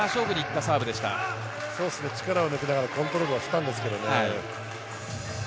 力を抜きながらコントロールはしたんですけどね。